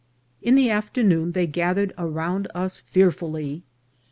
In the after noon they gathered around us fearfully.